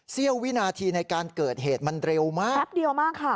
เสี้ยววินาทีในการเกิดเหตุมันเร็วมากแป๊บเดียวมากค่ะ